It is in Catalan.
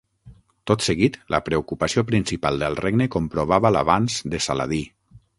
Tot seguit, la preocupació principal del regne comprovava l'avanç de Saladí.